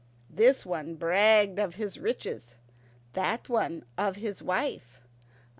This one bragged of his riches, that one of his wife.